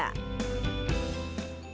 terdapat pula sejumlah tradisi